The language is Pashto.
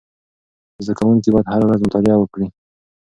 زده کوونکي باید هره ورځ مطالعه وکړي.